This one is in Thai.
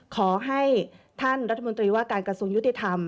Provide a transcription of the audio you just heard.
ขอให้ท่านรัฐมนตรีว่าการกระทรวงยุติธรรม